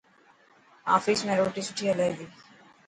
آفيس ۾ روٽي سٺي هلي تي.